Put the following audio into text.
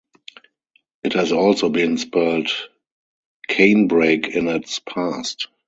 It has also been spelled Canebreak in its past.